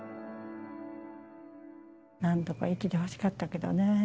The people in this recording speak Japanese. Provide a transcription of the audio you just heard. なんとか生きてほしかったけどねぇ。